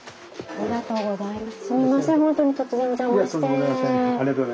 ありがとうございます。